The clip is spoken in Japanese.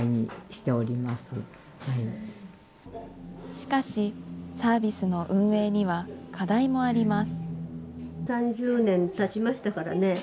しかし、サービスの運営には課題もあります。